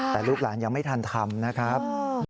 แต่ลูกหลานยังไม่ทันทำนะครับ